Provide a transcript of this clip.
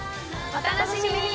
お楽しみに！